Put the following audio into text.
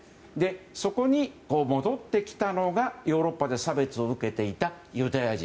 そこに戻ってきたのがヨーロッパで差別を受けていたユダヤ人。